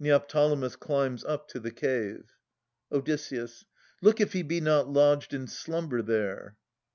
[Neoptolemus climbs up to the cave. Od. Look if he be not lodged in slumber there.